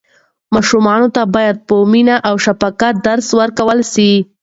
ماشومانو ته باید په مینه او شفقت درس ورکړل سي.